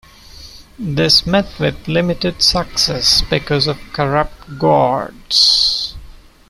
This met with limited success because of corrupt guards.